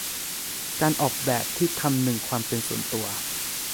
การออกแบบที่คำนึงความเป็นส่วนตัว